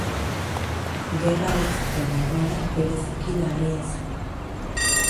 Gerra Hotzaren egoera bereziki larria zen.